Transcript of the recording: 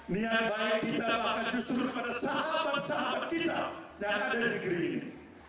niat baik kita bahkan justru pada sahabat sahabat kita yang ada di negeri ini